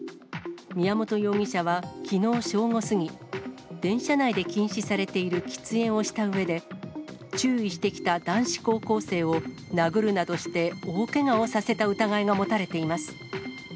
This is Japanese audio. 宮本容疑者はきのう正午過ぎ、電車内で禁止されている喫煙をしたうえで、注意してきた男子高校生を殴るなどして、大けがをさせた疑いが持たれています。